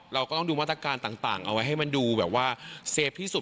เราก็ต้องดูมาตรการต่างเอาไว้ให้มันดูแบบว่าเซฟที่สุด